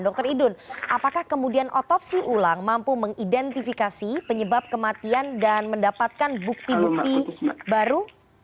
dr idun apakah kemudian otopsi ulang mampu mengidentifikasi penyebab kematian dan mendapatkan bukti bukti baru